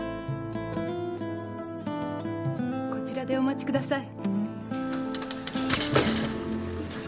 こちらでお待ちください。